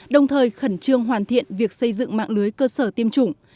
đồng thời khẩn trương hoàn thiện việc xây dựng mạng lưới cơ sở tiêm chủng